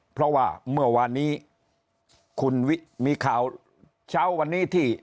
เพราะว่าเมื่อวานนี้คุณมีข่าวเช้าวันนี้ที่